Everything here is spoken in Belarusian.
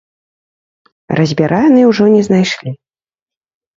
Разьбяра яны ўжо не знайшлі.